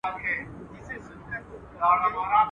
کار چا وکی، چي تمام ئې کی.